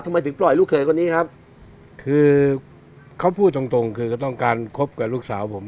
ทำไมถึงปล่อยลูกเขยคนนี้ครับคือเขาพูดตรงตรงคือก็ต้องการคบกับลูกสาวผม